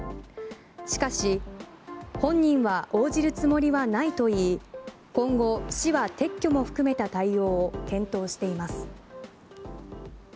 しかし本人は応じるつもりはないと言い今後、市は撤去も含めた対応を検討しています。